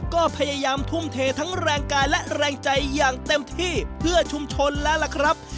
ก็พยายามทุ่มเททั้งแรงกายและแรงใจอย่างเต็มที่เพื่อชุมชนแล้วล่ะครับ